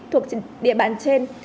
thuộc địa bàn trên